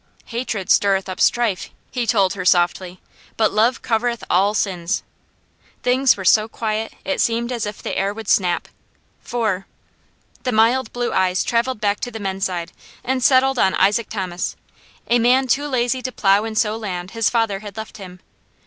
"Hatred stirreth up strife," he told her softly, "but love covereth all sins." Things were so quiet it seemed as if the air would snap. "Four." The mild blue eyes travelled back to the men's side and settled on Isaac Thomas, a man too lazy to plow and sow land his father had left him.